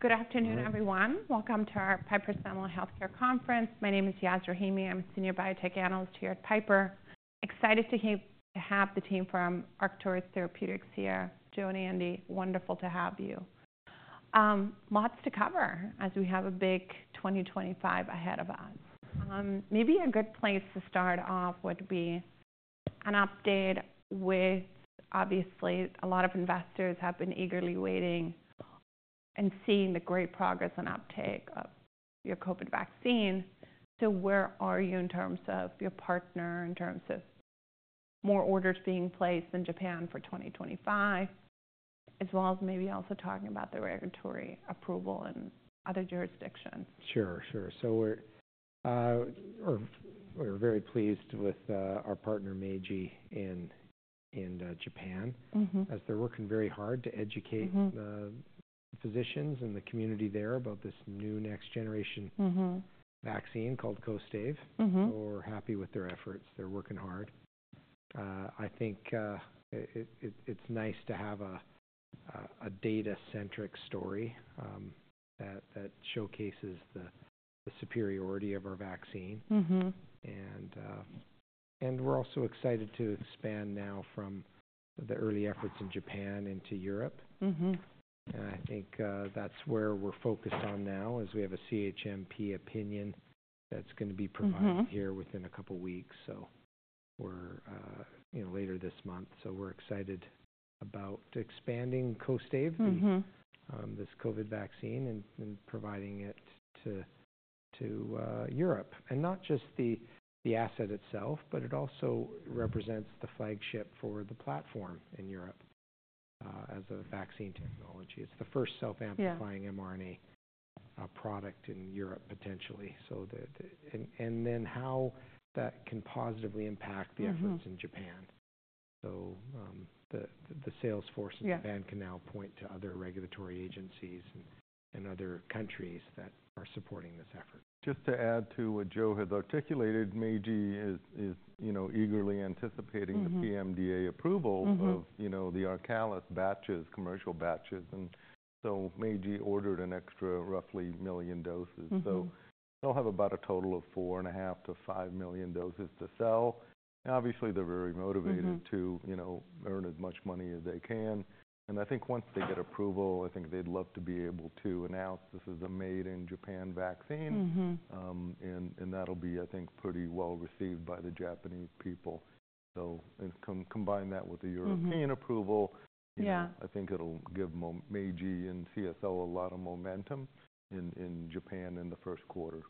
Good afternoon, everyone. Welcome to our Piper Sandler Healthcare Conference. My name is Yaz Rahimi. I'm a senior biotech analyst here at Piper. Excited to have the team from Arcturus Therapeutics here. Joe and Andy, wonderful to have you. Lots to cover as we have a big 2025 ahead of us. Maybe a good place to start off would be an update with, obviously, a lot of investors have been eagerly waiting and seeing the great progress and uptake of your COVID vaccine. So where are you in terms of your partner, in terms of more orders being placed in Japan for 2025, as well as maybe also talking about the regulatory approval in other jurisdictions? Sure, sure. So we're very pleased with our partner, Meiji, in Japan, as they're working very hard to educate the physicians and the community there about this new next-generation vaccine called KOSTAIVE. We're happy with their efforts. They're working hard. I think it's nice to have a data-centric story that showcases the superiority of our vaccine. And we're also excited to expand now from the early efforts in Japan into Europe. And I think that's where we're focused on now, as we have a CHMP opinion that's going to be provided here within a couple of weeks, later this month. So we're excited about expanding KOSTAIVE, this COVID vaccine, and providing it to Europe. And not just the asset itself, but it also represents the flagship for the platform in Europe as a vaccine technology. It's the first self-amplifying mRNA product in Europe, potentially. And then how that can positively impact the efforts in Japan. So the salesforce in Japan can now point to other regulatory agencies and other countries that are supporting this effort. Just to add to what Joe has articulated, Meiji is eagerly anticipating the PMDA approval of the ARCALIS batches, commercial batches. And so Meiji ordered an extra, roughly, million doses. So they'll have about a total of 4.5-5 million doses to sell. Obviously, they're very motivated to earn as much money as they can. And I think once they get approval, I think they'd love to be able to announce, "This is a made-in-Japan vaccine." And that'll be, I think, pretty well received by the Japanese people. So combine that with the European approval, I think it'll give Meiji and CSL a lot of momentum in Japan in the first quarter.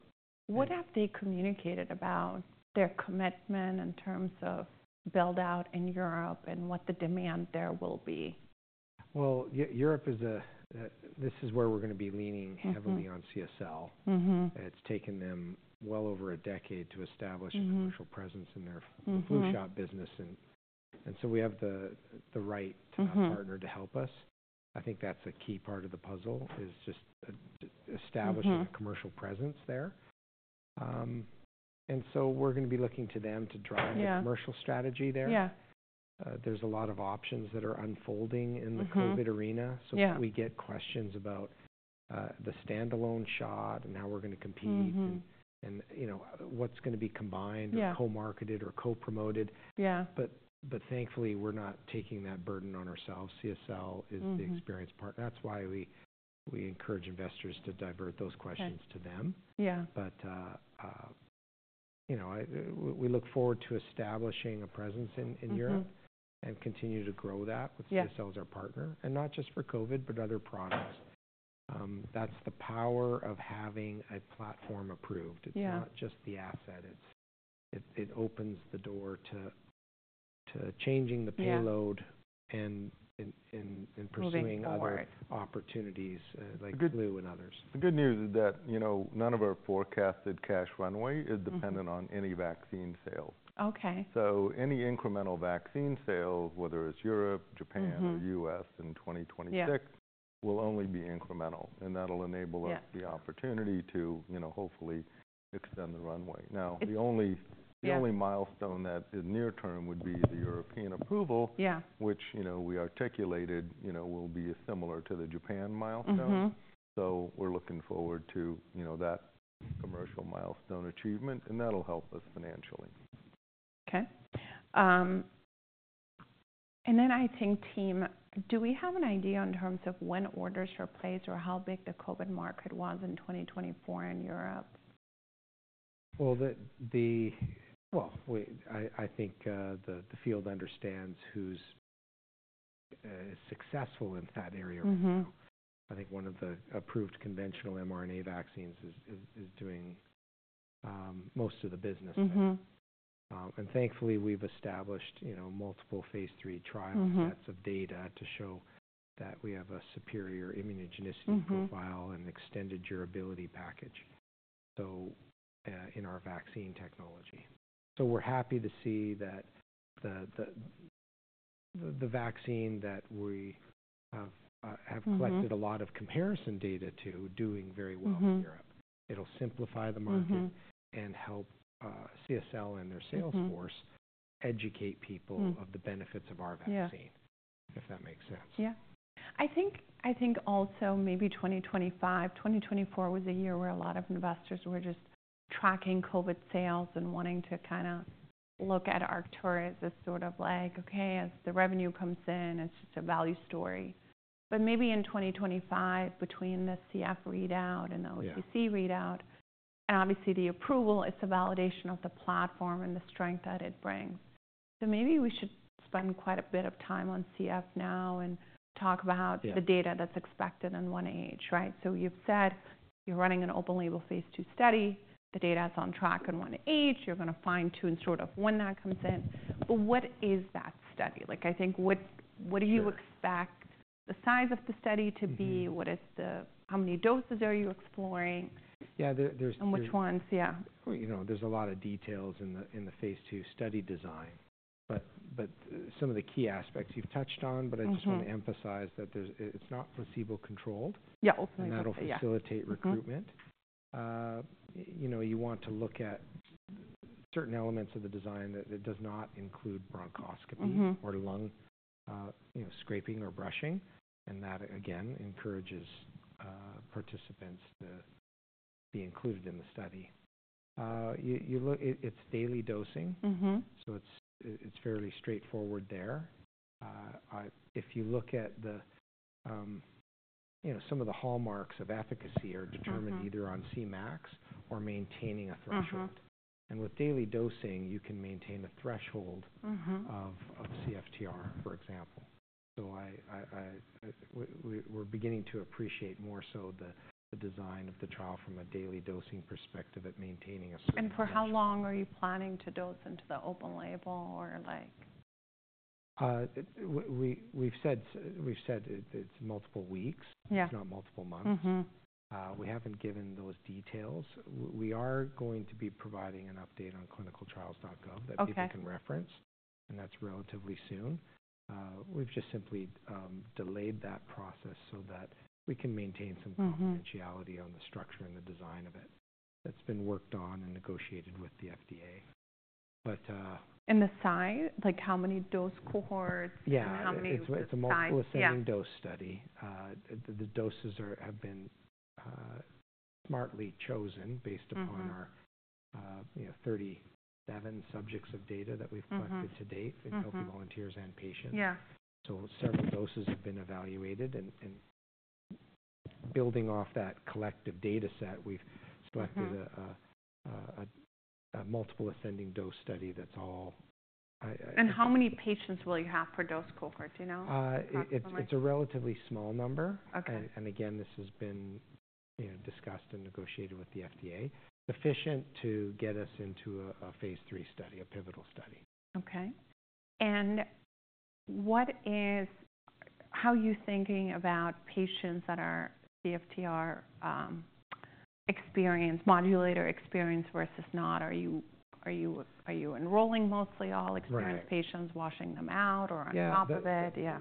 What have they communicated about their commitment in terms of build-out in Europe and what the demand there will be? Europe is a. This is where we're going to be leaning heavily on CSL. It's taken them well over a decade to establish a commercial presence in their flu shot business, and so we have the right partner to help us. I think that's a key part of the puzzle, is just establishing a commercial presence there, and so we're going to be looking to them to drive the commercial strategy there. There's a lot of options that are unfolding in the COVID arena, so we get questions about the standalone shot and how we're going to compete and what's going to be combined or co-marketed or co-promoted, but thankfully, we're not taking that burden on ourselves. CSL is the experienced partner. That's why we encourage investors to divert those questions to them. We look forward to establishing a presence in Europe and continue to grow that with CSL as our partner. Not just for COVID, but other products. That's the power of having a platform approved. It's not just the asset. It opens the door to changing the payload and pursuing other opportunities, like flu and others. The good news is that none of our forecasted cash runway is dependent on any vaccine sale. So any incremental vaccine sale, whether it's Europe, Japan, or U.S. in 2026, will only be incremental. And that'll enable us the opportunity to hopefully extend the runway. Now, the only milestone that is near-term would be the European approval, which we articulated will be similar to the Japan milestone. So we're looking forward to that commercial milestone achievement, and that'll help us financially. Okay, and then I think, team, do we have an idea in terms of when orders are placed or how big the COVID market was in 2024 in Europe? I think the field understands who's successful in that area right now. I think one of the approved conventional mRNA vaccines is doing most of the business there. And thankfully, we've established multiple phase III trial sets of data to show that we have a superior immunogenicity profile and extended durability package in our vaccine technology. So we're happy to see that the vaccine that we have collected a lot of comparison data to doing very well in Europe. It'll simplify the market and help CSL and their salesforce educate people of the benefits of our vaccine, if that makes sense. Yeah. I think also maybe 2025, 2024 was a year where a lot of investors were just tracking COVID sales and wanting to kind of look at Arcturus as sort of like, "Okay, as the revenue comes in, it's just a value story." But maybe in 2025, between the CF readout and the OTC readout, and obviously the approval, it's a validation of the platform and the strength that it brings. So maybe we should spend quite a bit of time on CF now and talk about the data that's expected in 1H, right? So you've said you're running an open-label phase II study. The data is on track in 1H. You're going to fine-tune sort of when that comes in. But what is that study? I think what do you expect the size of the study to be? How many doses are you exploring? Yeah, there's. Which ones? Yeah. There's a lot of details in the phase II study design, but some of the key aspects you've touched on, I just want to emphasize that it's not placebo-controlled. Yeah, open-label controlled. And that'll facilitate recruitment. You want to look at certain elements of the design that does not include bronchoscopy or lung scraping or brushing. And that, again, encourages participants to be included in the study. It's daily dosing. So it's fairly straightforward there. If you look at some of the hallmarks of efficacy are determined either on Cmax or maintaining a threshold. And with daily dosing, you can maintain a threshold of CFTR, for example. So we're beginning to appreciate more so the design of the trial from a daily dosing perspective at maintaining a. For how long are you planning to dose into the open label or like? We've said it's multiple weeks. It's not multiple months. We haven't given those details. We are going to be providing an update on ClinicalTrials.gov that people can reference, and that's relatively soon. We've just simply delayed that process so that we can maintain some confidentiality on the structure and the design of it. That's been worked on and negotiated with the FDA, but. And the size? Like how many dose cohorts? How many size? Yeah, it's a multiple-ascending dose study. The doses have been smartly chosen based upon our 37 subjects of data that we've collected to date with healthy volunteers and patients. So several doses have been evaluated. And building off that collective data set, we've selected a multiple-ascending dose study that's all. How many patients will you have per dose cohort? Do you know? It's a relatively small number, and again, this has been discussed and negotiated with the FDA. Sufficient to get us into a phase III study, a pivotal study. Okay. And how are you thinking about patients that are CFTR-experienced, modulator-experienced versus not? Are you enrolling mostly all experienced patients, washing them out, or on top of it? Yeah.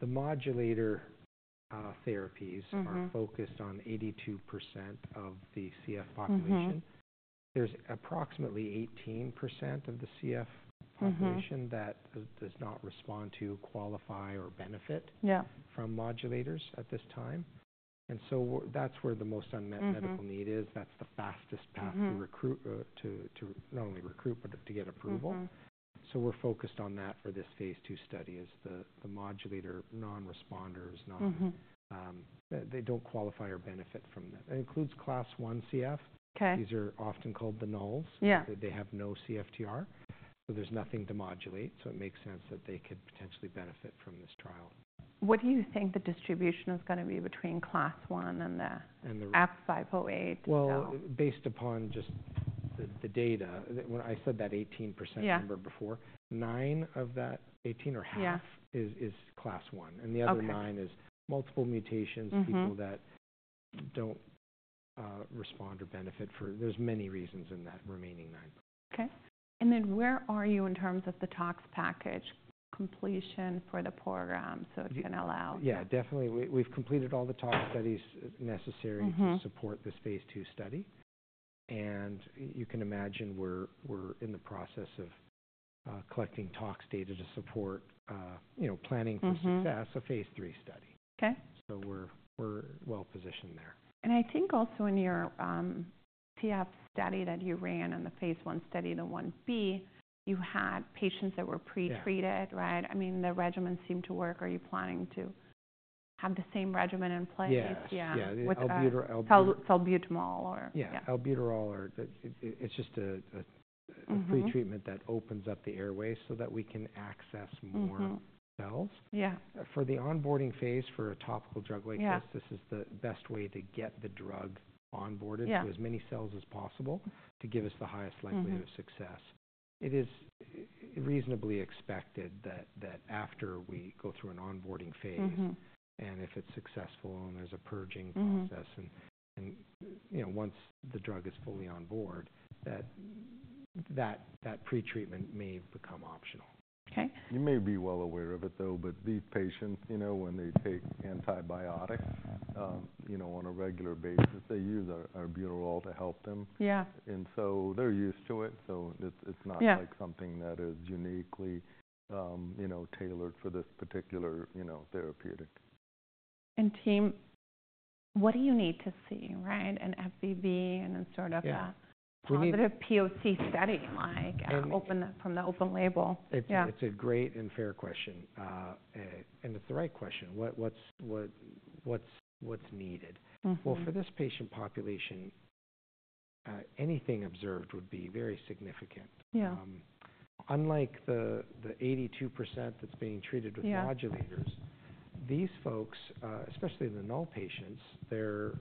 The modulator therapies are focused on 82% of the CF population. There's approximately 18% of the CF population that does not respond to, qualify, or benefit from modulators at this time, and so that's where the most unmet medical need is. That's the fastest path to not only recruit, but to get approval. So we're focused on that for this phase II study: the modulator non-responders, non- they don't qualify or benefit from that. It includes Class I CF. These are often called the nulls. They have no CFTR. So it makes sense that they could potentially benefit from this trial. What do you think the distribution is going to be between Class I and the F508? Based upon just the data, I said that 18% number before. Nine of that 18 or half is Class I. The other nine is multiple mutations, people that don't respond or benefit for there's many reasons in that remaining 9%. Okay. And then where are you in terms of the TOX package completion for the program? So it's going to allow. Yeah, definitely. We've completed all the TOX studies necessary to support this phase II study, and you can imagine we're in the process of collecting TOX data to support planning for success of phase III study, so we're well positioned there. I think also in your CF study that you ran and the phase I study, the I-B, you had patients that were pretreated, right? I mean, the regimen seemed to work. Are you planning to have the same regimen in place? Yes. Yeah. With the Salbutamol or. Yeah, Albuterol. It's just a pretreatment that opens up the airway so that we can access more cells. For the onboarding phase for a topical drug like this, this is the best way to get the drug onboarded to as many cells as possible to give us the highest likelihood of success. It is reasonably expected that after we go through an onboarding phase, and if it's successful and there's a purging process, and once the drug is fully on board, that pretreatment may become optional. You may be well aware of it, though, but these patients, when they take antibiotics on a regular basis, they use albuterol to help them. And so they're used to it. So it's not like something that is uniquely tailored for this particular therapeutic. Team, what do you need to see, right? An FEV and then sort of a positive POC study from the open label. It's a great and fair question. And it's the right question. What's needed? Well, for this patient population, anything observed would be very significant. Unlike the 82% that's being treated with modulators, these folks, especially the null patients, their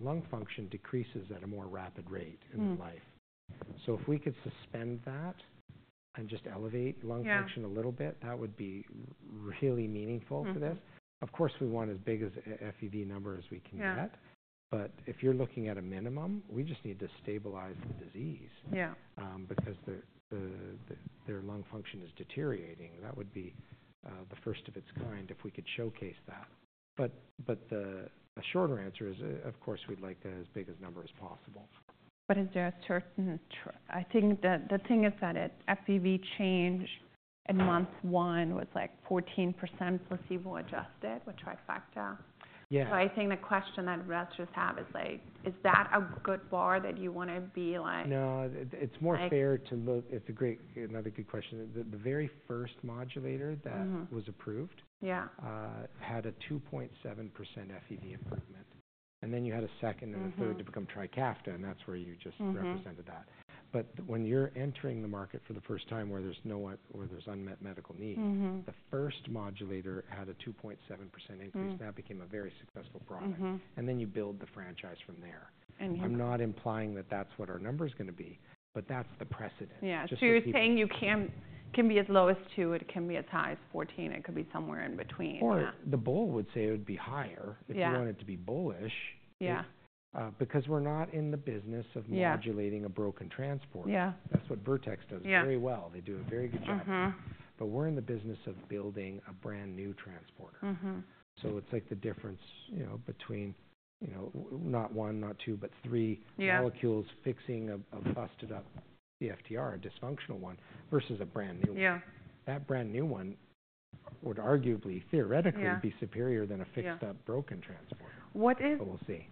lung function decreases at a more rapid rate in life. So if we could suspend that and just elevate lung function a little bit, that would be really meaningful for this. Of course, we want as big as FEV number as we can get. But if you're looking at a minimum, we just need to stabilize the disease because their lung function is deteriorating. That would be the first of its kind if we could showcase that. But the shorter answer is, of course, we'd like as big a number as possible. But is there a certain I think the thing is that FEV change in month one was like 14% placebo-adjusted, with TRIKAFTA. So I think the question that investors have is like, is that a good bar that you want to be like? No, it's more fair to look at another good question. The very first modulator that was approved had a 2.7% FEV improvement, and then you had a second and a third to become TRIKAFTA, and that's where you just represented that, but when you're entering the market for the first time where there's unmet medical need, the first modulator had a 2.7% increase. That became a very successful product, and then you build the franchise from there. I'm not implying that that's what our number is going to be, but that's the precedent. Yeah, so you're saying you can be as low as two. It can be as high as 14. It could be somewhere in between. Or the bull would say it would be higher if you want it to be bullish because we're not in the business of modulating a broken transporter. That's what Vertex does very well. They do a very good job. But we're in the business of building a brand new transporter. So it's like the difference between not one, not two, but three molecules fixing a busted-up CFTR, a dysfunctional one, versus a brand new one. That brand new one would arguably, theoretically, be superior than a fixed-up broken transporter. But we'll see.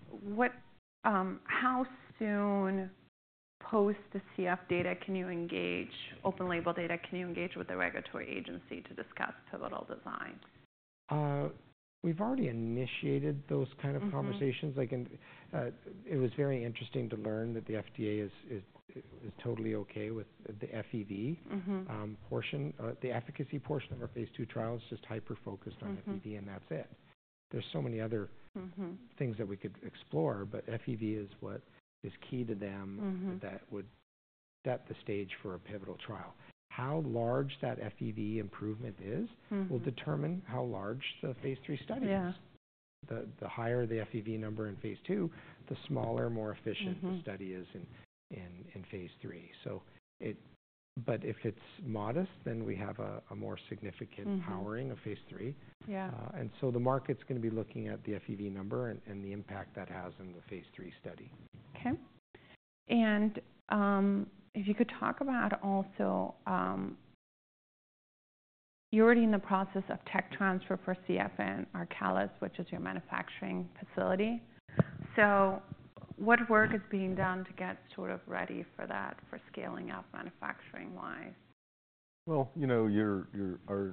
How soon post the CF data can you engage open label data? Can you engage with the regulatory agency to discuss pivotal design? We've already initiated those kind of conversations. It was very interesting to learn that the FDA is totally okay with the FEV portion. The efficacy portion of our phase II trial is just hyper-focused on FEV, and that's it. There's so many other things that we could explore, but FEV is what is key to them that would set the stage for a pivotal trial. How large that FEV improvement is will determine how large the phase III study is. The higher the FEV number in phase II, the smaller, more efficient the study is in phase III. But if it's modest, then we have a more significant powering of phase III. And so the market's going to be looking at the FEV number and the impact that has in the phase III study. Okay. And if you could talk about also you're already in the process of tech transfer for CF and ARCALIS, which is your manufacturing facility. So what work is being done to get sort of ready for that, for scaling up manufacturing-wise? Our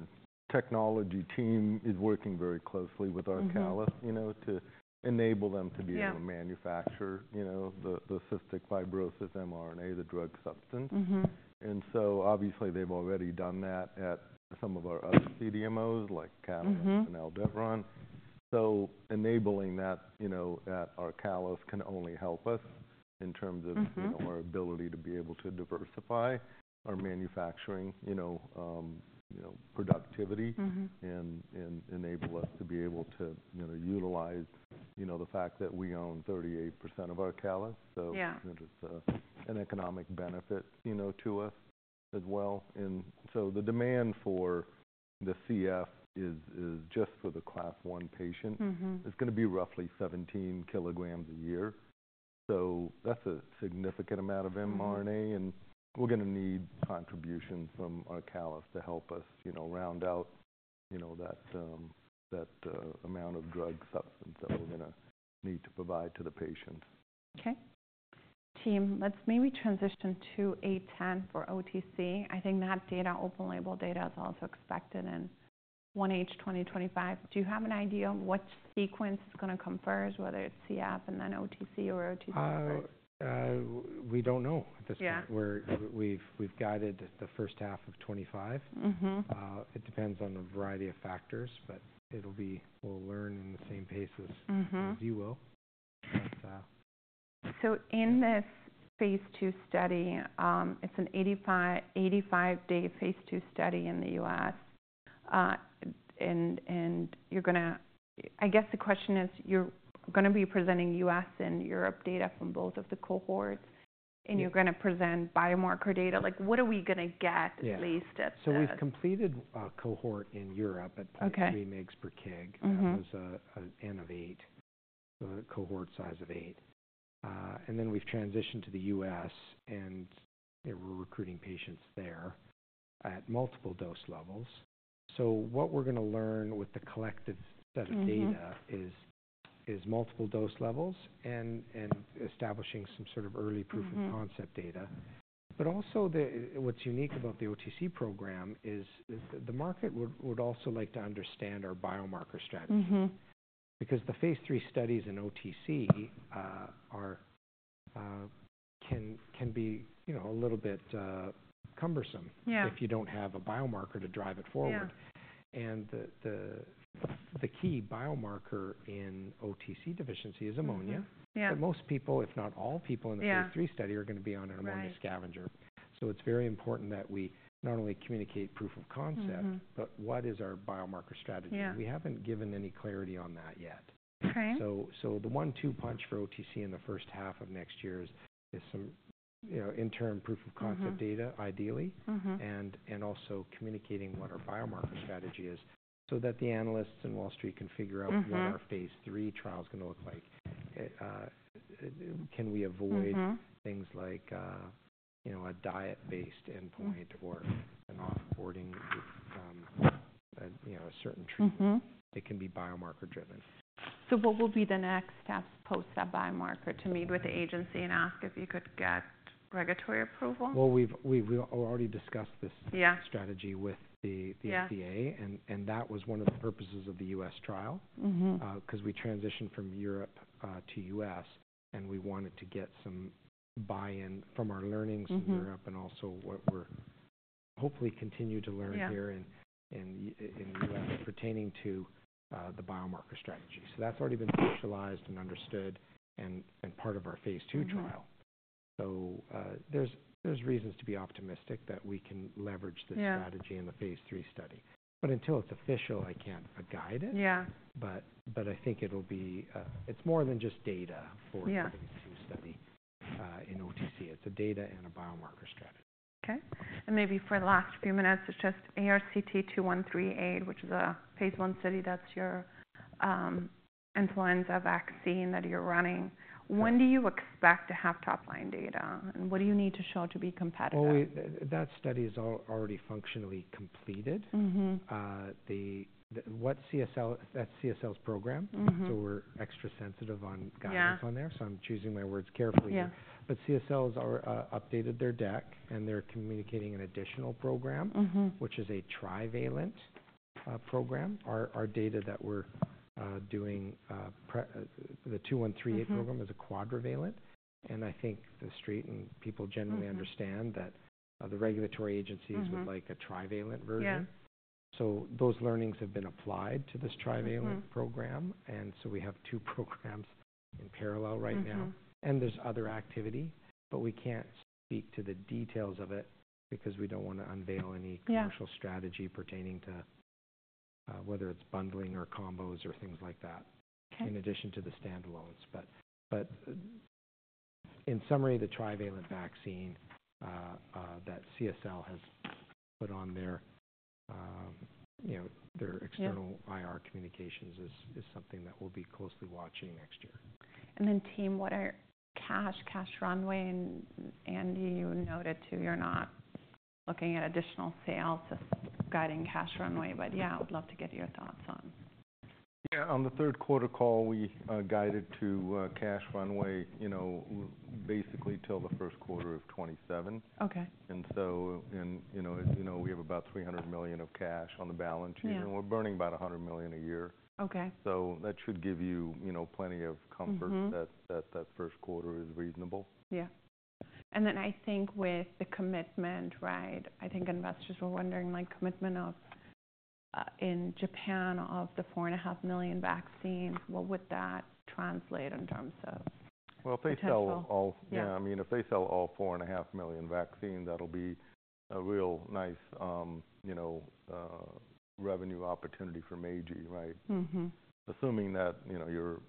technology team is working very closely with ARCALIS to enable them to be able to manufacture the cystic fibrosis mRNA, the drug substance. And so obviously, they've already done that at some of our other CDMOs like and. So enabling that at ARCALIS can only help us in terms of our ability to be able to diversify our manufacturing productivity and enable us to be able to utilize the fact that we own 38% of ARCALIS. So it's an economic benefit to us as well. And so the demand for the CF is just for the Class I patient. It's going to be roughly 17 kilograms a year. So that's a significant amount of mRNA. And we're going to need contributions from ARCALIS to help us round out that amount of drug substance that we're going to need to provide to the patient. Okay. Team, let's maybe transition to ARCT-810 for OTC. I think that open label data is also expected in 1H 2025. Do you have an idea of what sequence is going to come first, whether it's CF and then OTC or OTC? We don't know at this point. We've guided the first half of 2025. It depends on a variety of factors, but we'll learn in the same pace as you will. So in this phase II study, it's an 85-day phase II study in the U.S. And I guess the question is, you're going to be presenting U.S. and Europe data from both of the cohorts. And you're going to present biomarker data. What are we going to get at least at? We've completed a cohort in Europe at 0.3 mg/kg. That was an N of eight, cohort size of eight. We've transitioned to the U.S. and we're recruiting patients there at multiple dose levels. What we're going to learn with the collected set of data is multiple dose levels and establishing some sort of early proof of concept data. What's unique about the OTC program is the market would also like to understand our biomarker strategy because the phase III studies in OTC can be a little bit cumbersome if you don't have a biomarker to drive it forward. The key biomarker in OTC deficiency is ammonia. Most people, if not all people in the phase III study, are going to be on an ammonia scavenger. So it's very important that we not only communicate proof of concept, but what is our biomarker strategy? We haven't given any clarity on that yet. So the one-two punch for OTC in the first half of next year is some interim proof of concept data, ideally, and also communicating what our biomarker strategy is so that the analysts in Wall Street can figure out what our phase III trial is going to look like. Can we avoid things like a diet-based endpoint or an offboarding with a certain treatment? It can be biomarker-driven. So what will be the next steps post that biomarker to meet with the agency and ask if you could get regulatory approval? We've already discussed this strategy with the FDA. That was one of the purposes of the U.S. trial because we transitioned from Europe to U.S. and we wanted to get some buy-in from our learnings in Europe and also what we're hopefully continue to learn here and in the U.S. pertaining to the biomarker strategy. That's already been socialized and understood and part of our phase II trial. There's reasons to be optimistic that we can leverage this strategy in the phase III study, but until it's official, I can't guide it. I think it'll be more than just data for the phase II study in OTC. It's a data and a biomarker strategy. Okay. And maybe for the last few minutes, it's just ARCT-2138, which is a phase I study that's your influenza vaccine that you're running. When do you expect to have top-line data? And what do you need to show to be competitive? Well, that study is already functionally completed. That's CSL's program. So we're extra sensitive on guidance on there. So I'm choosing my words carefully here. But CSL has updated their deck and they're communicating an additional program, which is a trivalent program. Our data that we're doing, the 2138 program, is a quadrivalent. And I think the street and people generally understand that the regulatory agencies would like a trivalent version. So those learnings have been applied to this trivalent program. And so we have two programs in parallel right now. And there's other activity, but we can't speak to the details of it because we don't want to unveil any commercial strategy pertaining to whether it's bundling or combos or things like that in addition to the standalones. But in summary, the trivalent vaccine that CSL has put on their external IR communications is something that we'll be closely watching next year. Then, team, what is cash runway? You noted too, you're not looking at additional sales to guiding cash runway, but yeah, I would love to get your thoughts on. Yeah. On the third quarter call, we guided to cash runway basically till the first quarter of 2027, and so we have about $300 million of cash on the balance sheet, and we're burning about $100 million a year, so that should give you plenty of comfort that that first quarter is reasonable. Yeah. And then I think with the commitment, right? I think investors were wondering commitment in Japan of the 4.5 million vaccines. What would that translate in terms of cash flow? If they sell all 4.5 million vaccines, that'll be a real nice revenue opportunity for Meiji, right? I mean, assuming that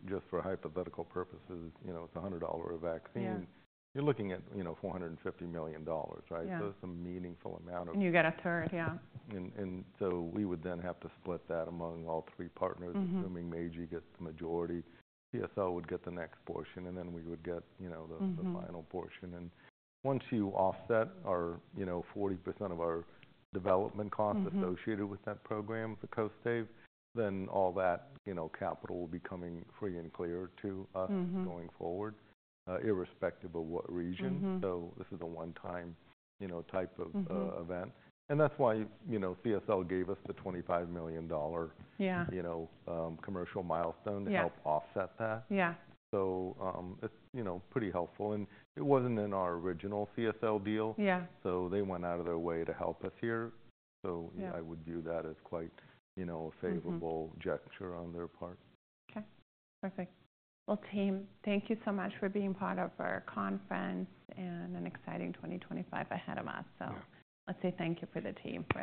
just for hypothetical purposes, it's $100 a vaccine, you're looking at $450 million, right? That's a meaningful amount of. And you get a third, yeah. And so we would then have to split that among all three partners, assuming Meiji gets the majority. CSL would get the next portion, and then we would get the final portion. And once you offset our 40% of our development cost associated with that program, the KOSTAIVE, then all that capital will be coming free and clear to us going forward, irrespective of what region. So this is a one-time type of event. And that's why CSL gave us the $25 million commercial milestone to help offset that. So it's pretty helpful. And it wasn't in our original CSL deal. So they went out of their way to help us here. So I would view that as quite a favorable gesture on their part. Okay. Perfect. Well, team, thank you so much for being part of our conference and an exciting 2025 ahead of us. So let's say thank you for the team.